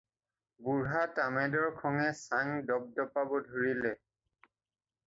বুঢ়া তামেদৰ খঙে চাং দপ্দপাব ধৰিলে।